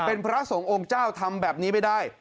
เป็นพระสงฆ์องค์เจ้าทำแบบนี้ไม่ได้